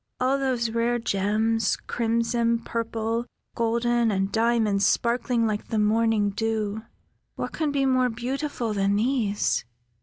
"All those rare gems, crimson, purple, golden, and diamonds sparkling like the morning dew. What can be more beautiful than these?"